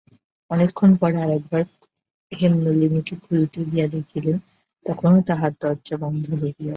অনেকক্ষণ পরে আবার একবার হেমনলিনীকে খুঁজিতে গিয়া দেখিলেন, তখনো তাহার দরজা বন্ধ রহিয়াছে।